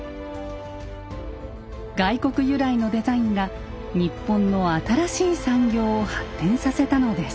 外国由来のデザインが日本の新しい産業を発展させたのです。